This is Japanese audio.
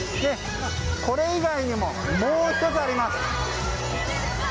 これ以外にも、もう１つあります。